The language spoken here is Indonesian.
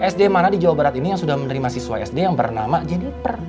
sd mana di jawa barat ini yang sudah menerima siswa sd yang bernama jadi per